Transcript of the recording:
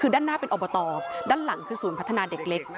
คือด้านหน้าเป็นอบตด้านหลังคือศูนย์พัฒนาเด็กเล็ก